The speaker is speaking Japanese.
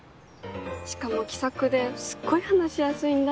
しかも気さくですごい話しやすいんだ。